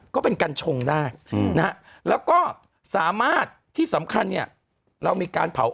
ก็เป็นกัญชงได้นะฮะแล้วก็สามารถที่สำคัญเนี่ยเรามีการเผา